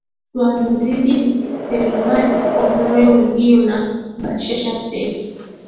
twa nordin selumani kwa moyo uliyo na bashasha tele